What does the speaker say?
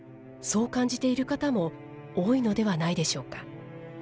そう感じている方も多いのではないでしょうか。